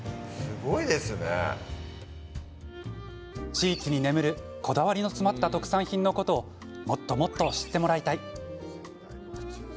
地域に眠るこだわりの詰まった特産品のことをもっともっと知ってもらいたい。